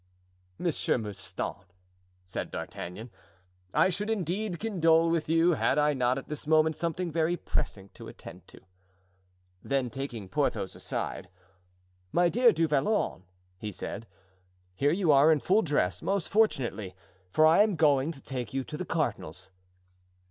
"Monsieur Mouston," said D'Artagnan, "I should indeed condole with you had I not at this moment something very pressing to attend to." Then taking Porthos aside: "My dear Du Vallon," he said, "here you are in full dress most fortunately, for I am going to take you to the cardinal's."